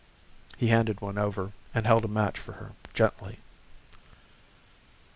He handed one over and held a match for her gently.